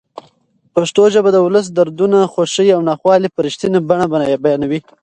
پښتو ژبه د ولس دردونه، خوښۍ او ناخوالې په رښتینې بڼه بیانوي.